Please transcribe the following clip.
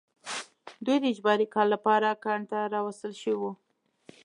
دوی د اجباري کار لپاره کان ته راوستل شوي وو